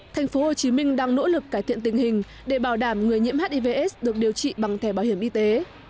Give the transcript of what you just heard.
tp hcm đang nỗ lực cải thiện tình hình để bảo đảm người nhiễm hivs được điều trị bằng thẻ bảo hiểm y tế